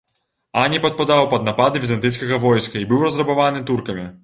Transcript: Ані падпадаў пад напады візантыйскага войска і быў разрабаваны туркамі.